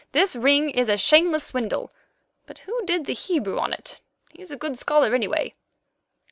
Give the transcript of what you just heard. This ring is a shameless swindle; but who did the Hebrew on it? He's a good scholar, anyway."